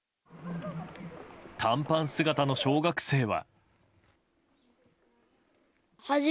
短パン姿の小学生は。